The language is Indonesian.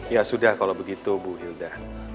ya sudah kalau begitu bu ilda